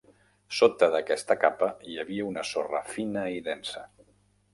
Sota d'aquesta capa hi havia una sorra fina i densa.